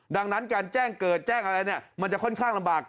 ดังนั้นการแจ้งเกิดแจ้งอะไรเนี่ยมันจะค่อนข้างลำบาก